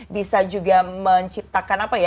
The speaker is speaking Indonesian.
bisa juga menciptakan apa ya